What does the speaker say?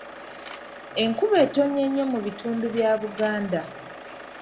Enkuba etonnye nnyo mu bitundu bya Buganda.